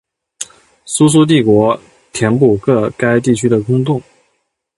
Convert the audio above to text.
苏苏帝国填补个该地区的空洞。